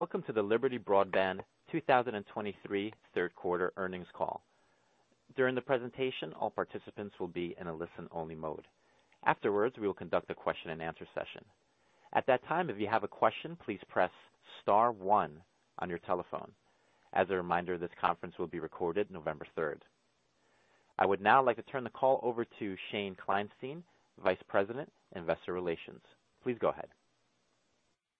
Welcome to the Liberty Broadband 2023 third quarter earnings call. During the presentation, all participants will be in a listen-only mode. Afterwards, we will conduct a question-and-answer session. At that time, if you have a question, please press star one on your telephone. As a reminder, this conference will be recorded November 3rd. I would now like to turn the call over to Shane Kleinstein, Vice President, Investor Relations. Please go ahead.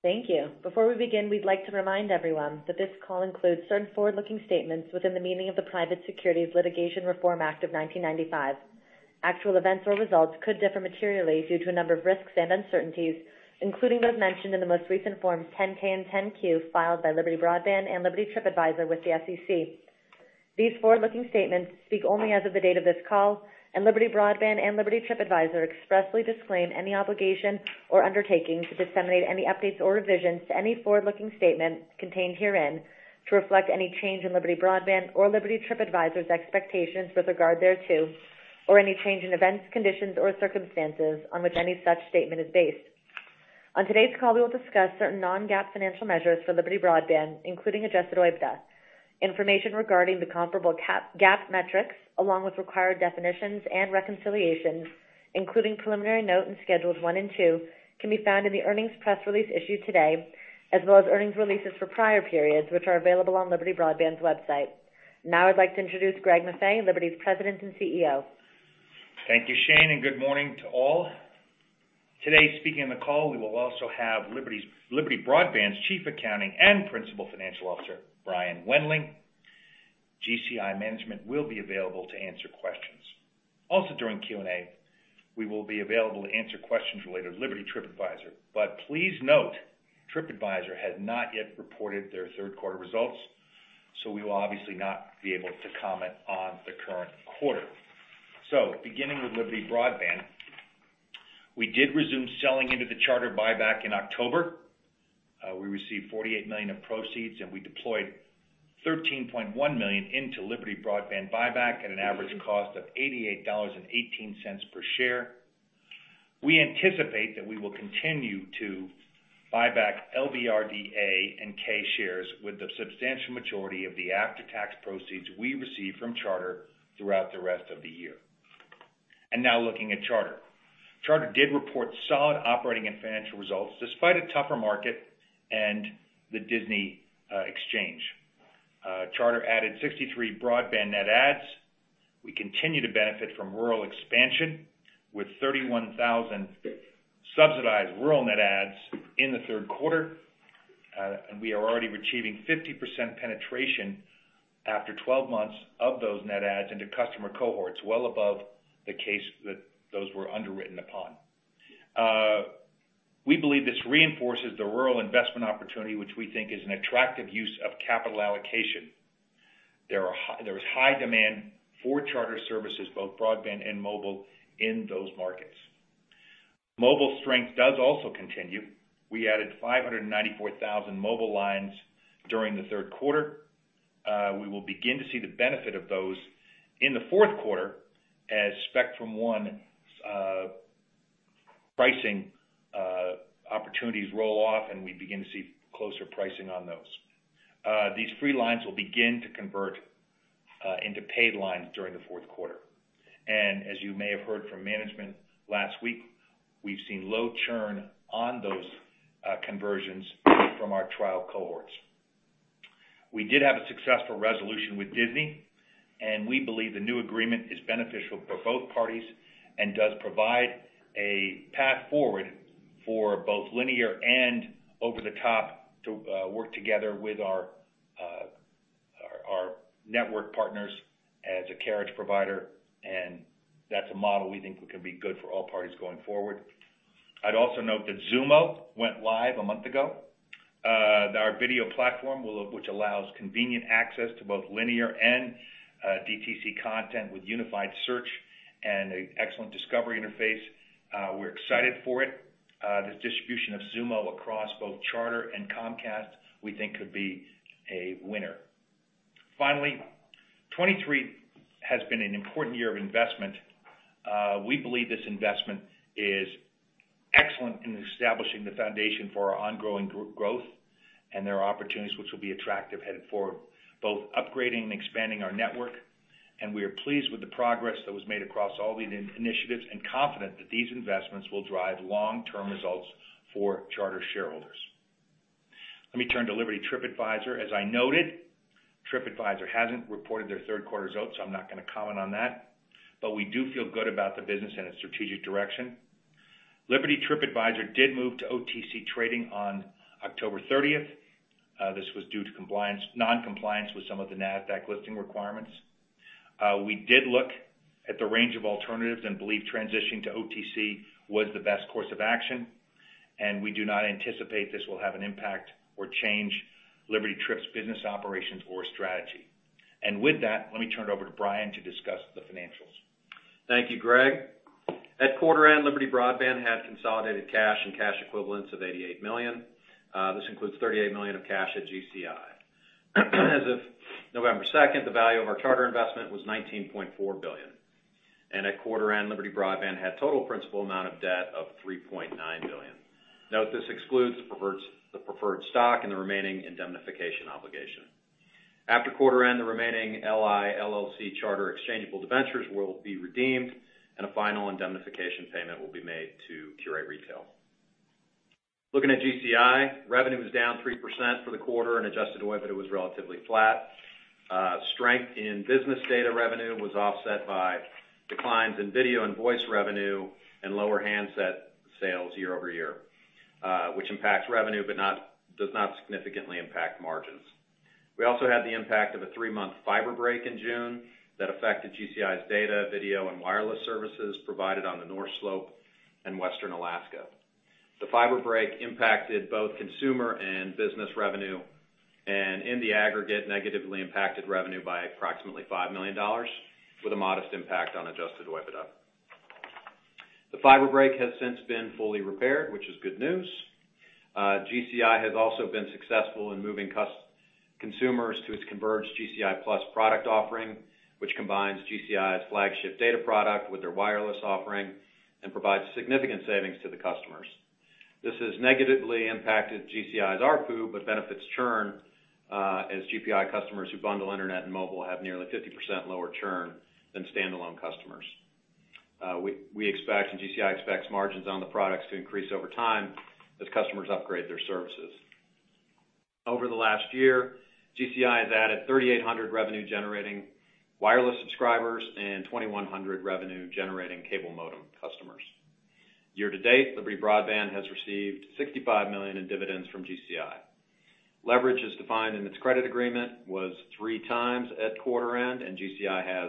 Thank you. Before we begin, we'd like to remind everyone that this call includes certain forward-looking statements within the meaning of the Private Securities Litigation Reform Act of 1995. Actual events or results could differ materially due to a number of risks and uncertainties, including those mentioned in the most recent Forms 10-K and 10-Q, filed by Liberty Broadband and Liberty TripAdvisor with the SEC. These forward-looking statements speak only as of the date of this call, and Liberty Broadband and Liberty TripAdvisor expressly disclaim any obligation or undertaking to disseminate any updates or revisions to any forward-looking statements contained herein to reflect any change in Liberty Broadband or Liberty TripAdvisor's expectations with regard thereto, or any change in events, conditions, or circumstances on which any such statement is based. On today's call, we will discuss certain non-GAAP financial measures for Liberty Broadband, including adjusted OIBDA. Information regarding the comparable GAAP metrics, along with required definitions and reconciliations, including Preliminary Note and Schedules 1 and 2, can be found in the earnings press release issued today, as well as earnings releases for prior periods, which are available on Liberty Broadband's website. Now I'd like to introduce Greg Maffei, Liberty's President and Chief Executive Officer. Thank you, Shane, and good morning to all. Today, speaking on the call, we will also have Liberty Broadband's Chief Accounting and Principal Financial Officer, Brian Wendling. GCI management will be available to answer questions. Also, during Q&A, we will be available to answer questions related to Liberty TripAdvisor. But please note, TripAdvisor has not yet reported their third quarter results, so we will obviously not be able to comment on the current quarter. Beginning with Liberty Broadband, we did resume selling into the Charter buy back in October. We received $48 million of proceeds, and we deployed $13.1 million into Liberty Broadband buy back at an average cost of $88.18 per share. We anticipate that we will continue to buy back LBRDA and LBRDK shares with the substantial majority of the after-tax proceeds we receive from Charter throughout the rest of the year. Now looking at Charter. Charter did report solid operating and financial results, despite a tougher market and the Disney exchange. Charter added 63 broadband net adds. We continue to benefit from rural expansion, with 31,000 subsidized rural net adds in the third quarter, and we are already achieving 50% penetration after 12 months of those net adds into customer cohorts, well above the case that those were underwritten upon. We believe this reinforces the rural investment opportunity, which we think is an attractive use of capital allocation. There is high demand for Charter services, both broadband and mobile, in those markets. Mobile strength does also continue. We added 594,000 mobile lines during the third quarter. We will begin to see the benefit of those in the fourth quarter as Spectrum One pricing opportunities roll off, and we begin to see closer pricing on those. These free lines will begin to convert into paid lines during the fourth quarter. As you may have heard from management last week, we've seen low churn on those conversions from our trial cohorts. We did have a successful resolution with Disney, and we believe the new agreement is beneficial for both parties and does provide a path forward for both Linear and Over-the-Top to work together with our network partners as a carriage provider, and that's a model we think can be good for all parties going forward. I'd also note that Xumo went live a month ago. Our video platform, Xumo, which allows convenient access to both linear and DTC content with unified search and an excellent discovery interface. We're excited for it. This distribution of Xumo across both Charter and Comcast, we think could be a winner. Finally, 2023 has been an important year of investment. We believe this investment is excellent in establishing the foundation for our ongoing growth, and there are opportunities which will be attractive headed forward, both upgrading and expanding our network, and we are pleased with the progress that was made across all the initiatives and confident that these investments will drive long-term results for Charter shareholders. Let me turn to Liberty TripAdvisor. As I noted, TripAdvisor hasn't reported their third quarter results, so I'm not gonna comment on that, but we do feel good about the business and its strategic direction. Liberty TripAdvisor did move to OTC trading on October 30. This was due to non-compliance with some of the NASDAQ listing requirements. We did look at the range of alternatives and believe transitioning to OTC was the best course of action, and we do not anticipate this will have an impact or change Liberty TripAdvisor's business operations or strategy. With that, let me turn it over to Brian to discuss the financials. Thank you, Greg. At quarter end, Liberty Broadband had consolidated cash and cash equivalents of $88 million. This includes $38 million of cash at GCI. As of November 2, the value of our Charter investment was $19.4 billion. And at quarter end, Liberty Broadband had total principal amount of debt of $3.9 billion. Note, this excludes preferred, the preferred stock and the remaining indemnification obligation. After quarter end, the remaining LI LLC Charter exchangeable debentures will be redeemed, and a final indemnification payment will be made to Qurate Retail. Looking at GCI, revenue was down 3% for the quarter, and Adjusted OIBDA was relatively flat. Strength in business data revenue was offset by declines in video and voice revenue and lower handset sales year-over-year, which impacts revenue, but does not significantly impact margins. We also had the impact of a 3 month fiber break in June that affected GCI's data, video, and wireless services provided on the North Slope in Western Alaska. The fiber break impacted both consumer and business revenue, and in the aggregate, negatively impacted revenue by approximately $5 million, with a modest impact on Adjusted OIBDA. The fiber break has since been fully repaired, which is good news. GCI has also been successful in moving consumers to its converged GCI Plus product offering, which combines GCI's flagship data product with their wireless offering and provides significant savings to the customers. This has negatively impacted GCI's ARPU, but benefits churn, as GCI customers who bundle internet and mobile have nearly 50% lower churn than standalone customers. We expect, and GCI expects, margins on the products to increase over time as customers upgrade their services. Over the last year, GCI has added 3,800 revenue-generating wireless subscribers and 2,100 revenue-generating cable modem customers. Year to date, Liberty Broadband has received $65 million in dividends from GCI. Leverage, as defined in its credit agreement, was 3x at quarter end, and GCI has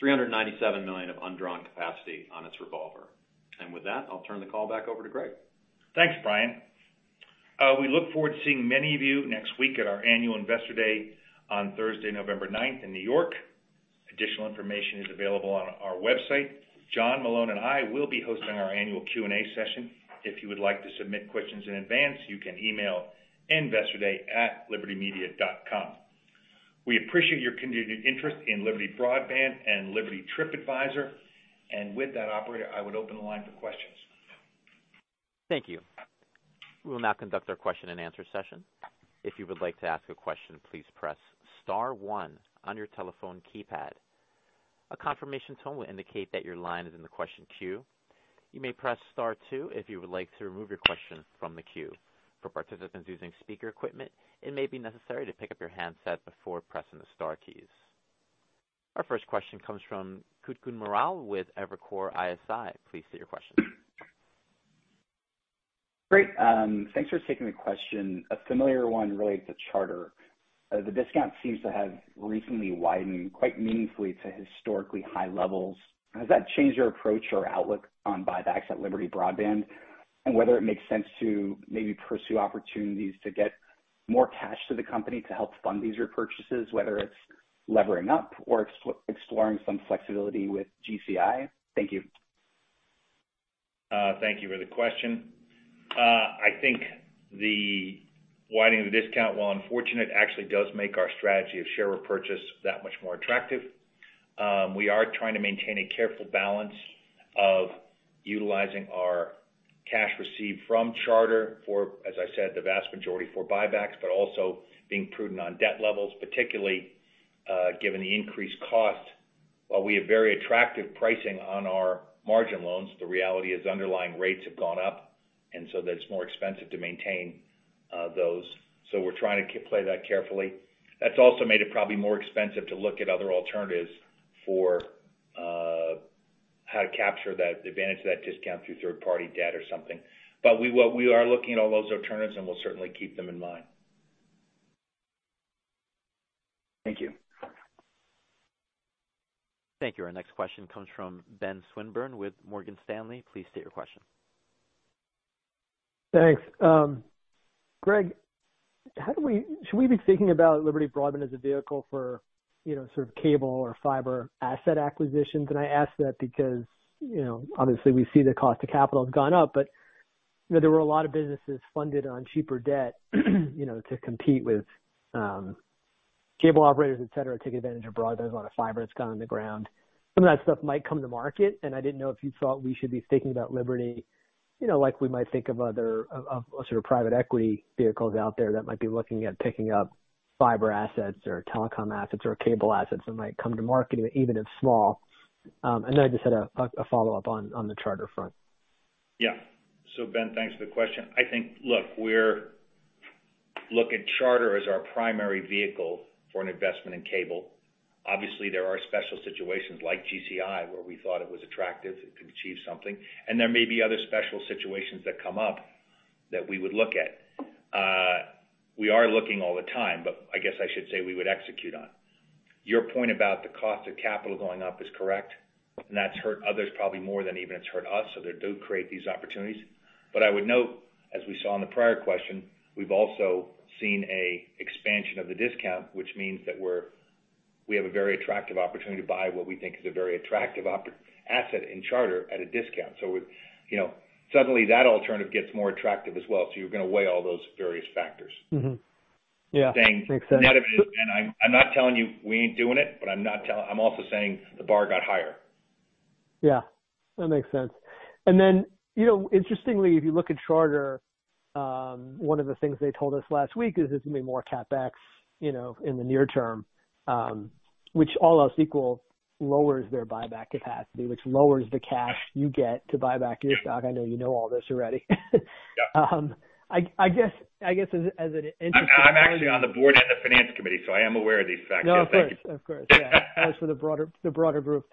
$397 million of undrawn capacity on its revolver. With that, I'll turn the call back over to Greg. Thanks, Brian. We look forward to seeing many of you next week at our annual Investor Day on Thursday, November 9, in New York. Additional information is available on our website. John Malone and I will be hosting our annual Q&A session. If you would like to submit questions in advance, you can email investorday@libertymedia.com. We appreciate your continued interest in Liberty Broadband and Liberty TripAdvisor. With that, operator, I would open the line for questions. Thank you. We will now conduct our question-and-answer session. If you would like to ask a question, please press star one on your telephone keypad. A confirmation tone will indicate that your line is in the question queue. You may press star two if you would like to remove your question from the queue. For participants using speaker equipment, it may be necessary to pick up your handset before pressing the star keys. Our first question comes from Kutgun Maral with Evercore ISI. Please state your question. Great. Thanks for taking the question. A familiar one related to Charter. The discount seems to have recently widened quite meaningfully to historically high levels. Has that changed your approach or outlook on buy backs at Liberty Broadband? And whether it makes sense to maybe pursue opportunities to get more cash to the company to help fund these repurchases, whether it's levering up or exploring some flexibility with GCI? Thank you. Thank you for the question. I think the widening of the discount, while unfortunate, actually does make our strategy of share repurchase that much more attractive. We are trying to maintain a careful balance of utilizing our cash received from Charter for, as I said, the vast majority for buy backs, but also being prudent on debt levels, particularly, given the increased cost. While we have very attractive pricing on our margin loans, the reality is underlying rates have gone up, and so that it's more expensive to maintain, those. So we're trying to play that carefully. That's also made it probably more expensive to look at other alternatives for, how to capture that, the advantage of that discount through third-party debt or something. But we are looking at all those alternatives, and we'll certainly keep them in mind. Thank you. Thank you. Our next question comes from Ben Swinburne with Morgan Stanley. Please state your question. Thanks. Greg, how should we be thinking about Liberty Broadband as a vehicle for, you know, sort of cable or fiber asset acquisitions? And I ask that because, you know, obviously, we see the cost of capital has gone up, but, you know, there were a lot of businesses funded on cheaper debt, you know, to compete with cable operators, etc. take advantage of broadband, a lot of fiber that's gone in the ground. Some of that stuff might come to market, and I didn't know if you thought we should be thinking about Liberty, you know, like we might think of other sort of private equity vehicles out there that might be looking at picking up fiber assets or telecom assets or cable assets that might come to market, even if small. And then I just had a follow-up on the Charter front. Yeah. So Ben, thanks for the question. I think, look, we're... Look at Charter as our primary vehicle for an investment in cable. Obviously, there are special situations like GCI, where we thought it was attractive, it could achieve something, and there may be other special situations that come up that we would look at. We are looking all the time, but I guess I should say, we would execute on. Your point about the cost of capital going up is correct, and that's hurt others probably more than even it's hurt us, so they do create these opportunities. But I would note, as we saw in the prior question, we've also seen an expansion of the discount, which means that we have a very attractive opportunity to buy what we think is a very attractive asset in Charter at a discount. So you know, suddenly, that alternative gets more attractive as well, so you're gonna weigh all those various factors. Yeah, makes sense. I'm not telling you we ain't doing it, but I'm also saying the bar got higher. Yeah, that makes sense. And then, you know, interestingly, if you look at Charter, one of the things they told us last week is there's gonna be more CapEx, you know, in the near term, which all else equal, lowers their buy back capacity, which lowers the cash you get to buy back your stock. I know you know all this already. Yeah. I guess as an interest- I'm actually on the board and the finance committee, so I am aware of these facts. No, of course. Thank you. Of course. Yeah. As for the broader group.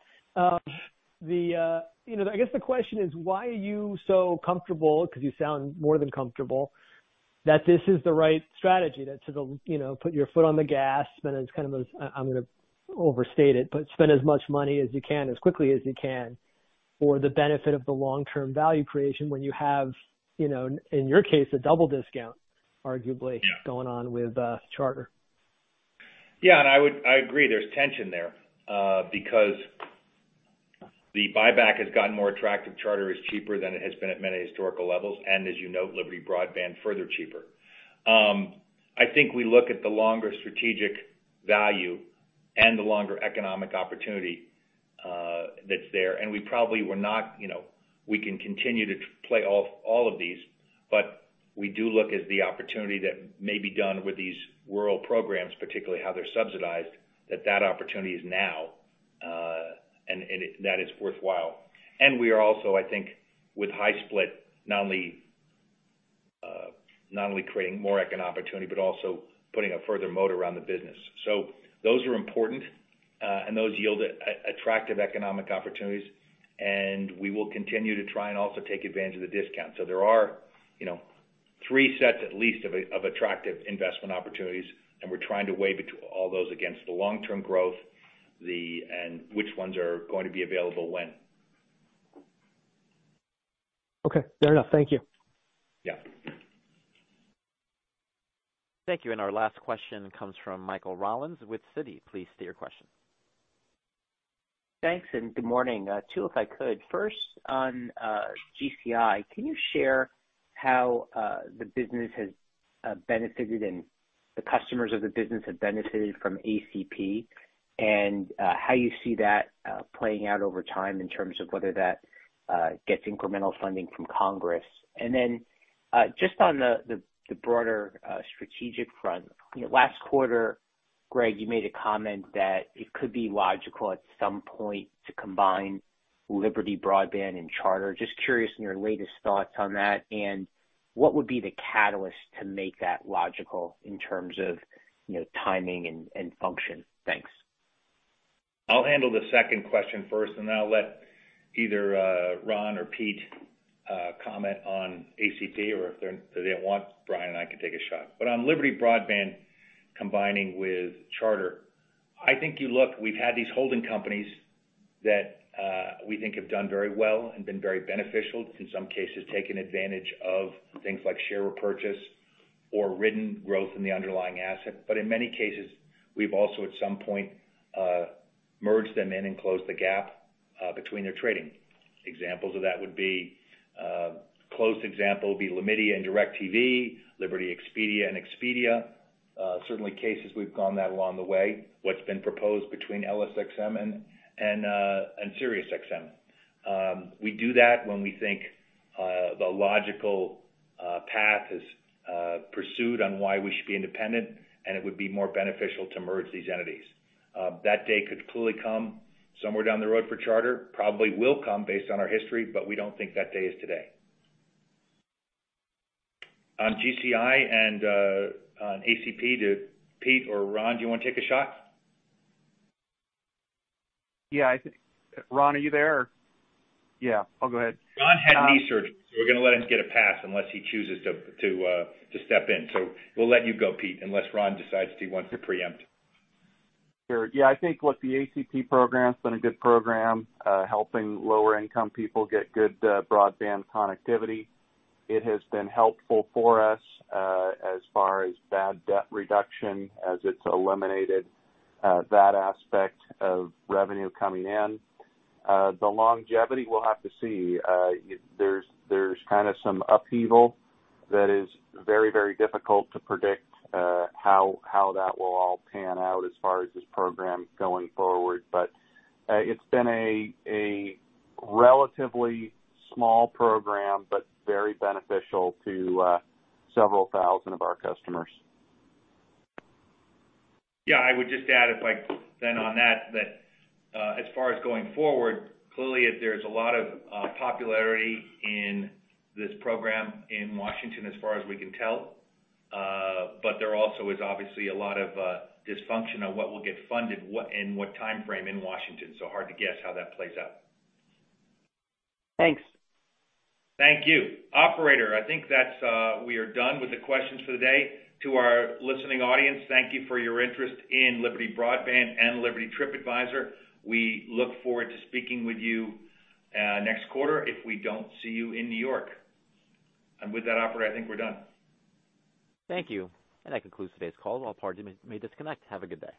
You know, I guess the question is, why are you so comfortable, because you sound more than comfortable, that this is the right strategy to, you know, put your foot on the gas, and it's kind of those, I'm gonna overstate it, but spend as much money as you can, as quickly as you can, for the benefit of the long-term value creation when you have, you know, in your case, a double discount, arguably- Yeah going on with Charter? Yeah, and I would I agree, there's tension there, because the buy back has gotten more attractive. Charter is cheaper than it has been at many historical levels, and as you note, Liberty Broadband, further cheaper. I think we look at the longer strategic value and the longer economic opportunity, that's there, and we probably were not, you know, we can continue to play all, all of these, but we do look at the opportunity that may be done with these rural programs, particularly how they're subsidized, that that opportunity is now, and, and it, that is worthwhile. And we are also, I think, with High Split, not only, not only creating more economic opportunity, but also putting a further moat around the business. So those are important, and those yield attractive economic opportunities, and we will continue to try and also take advantage of the discount. So there are, you know, three sets at least of attractive investment opportunities, and we're trying to weigh between all those against the long-term growth, and which ones are going to be available when. Okay, fair enough. Thank you. Yeah. Thank you. And our last question comes from Michael Rollins with Citi. Please state your question. Thanks, and good morning. Two, if I could. First, on GCI, can you share how the business has benefited and the customers of the business have benefited from ACP? And how you see that playing out over time in terms of whether that gets incremental funding from Congress. And then just on the broader strategic front, you know, last quarter, Greg, you made a comment that it could be logical at some point to combine Liberty Broadband and Charter. Just curious on your latest thoughts on that, and what would be the catalyst to make that logical in terms of, you know, timing and function? Thanks. I'll handle the second question first, and then I'll let either Ron or Pete comment on ACP, or if they don't want, Brian and I can take a shot. But on Liberty Broadband combining with Charter, I think you know, we've had these holding companies that we think have done very well and been very beneficial, in some cases, taken advantage of things like share repurchase or ridden growth in the underlying asset. But in many cases, we've also at some point merged them in and closed the gap between their trading. Examples of that would be, close example would be Liberty Media and DirecTV, Liberty Expedia and Expedia. Certainly cases we've gone that along the way. What's been proposed between LSXM and SiriusXM. We do that when we think the logical path is pursued on why we should be independent, and it would be more beneficial to merge these entities. That day could clearly come somewhere down the road for Charter, probably will come based on our history, but we don't think that day is today. On GCI and on ACP, do Pete or Ron, do you want to take a shot? Yeah, I think, Ron, are you there? Yeah, I'll go ahead. Ron had knee surgery, so we're gonna let him get a pass unless he chooses to step in. So we'll let you go, Peter, unless Ron decides he wants to preempt. Sure. Yeah, I think, look, the ACP program's been a good program, helping lower income people get good broadband connectivity. It has been helpful for us, as far as bad debt reduction, as it's eliminated that aspect of revenue coming in. The longevity, we'll have to see. There's kind of some upheaval that is very, very difficult to predict, how that will all pan out as far as this program going forward. But, it's been a relatively small program, but very beneficial to several thousand of our customers. Yeah, I would just add, if I can, on that, as far as going forward, clearly, there's a lot of popularity in this program in Washington, as far as we can tell. But there also is obviously a lot of dysfunction on what will get funded, what and what timeframe in Washington. So hard to guess how that plays out. Thanks. Thank you. Operator, I think that's, we are done with the questions for the day. To our listening audience, thank you for your interest in Liberty Broadband and Liberty TripAdvisor. We look forward to speaking with you next quarter, if we don't see you in New York. And with that, operator, I think we're done. Thank you. That concludes today's call. All parties may disconnect. Have a good day.